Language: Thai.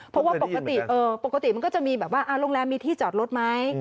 เพราะว่าปกติปกติมันก็จะมีแบบว่าโรงแรมมีที่จอดรถไหม